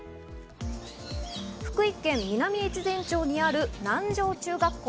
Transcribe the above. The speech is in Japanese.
福井県南越前町にある南条中学校。